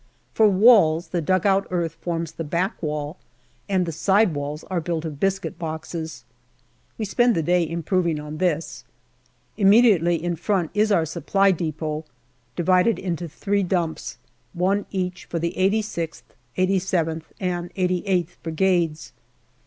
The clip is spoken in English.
For walls, the dugout earth forms the back wall, and the side walls are built of biscuit boxes. We spend the day im proving on this. Immediately in front is our Supply depot, divided into three dumps, one each for the 86th, 87th, and 88th Brigades.